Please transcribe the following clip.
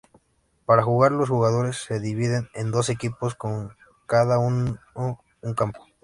Para jugar, los jugadores se dividen en dos equipos, con cada uno un campo.